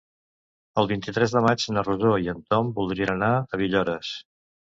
El vint-i-tres de maig na Rosó i en Tom voldrien anar a Villores.